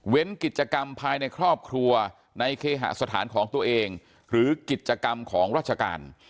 กิจกรรมภายในครอบครัวในเคหสถานของตัวเองหรือกิจกรรมของราชการ